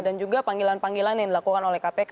dan juga panggilan panggilan yang dilakukan oleh kpk